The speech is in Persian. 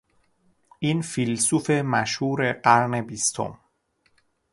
این فیلسوف مشهور قرن بیستم